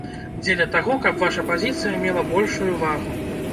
Дзеля таго, каб ваша пазіцыя мела большую вагу.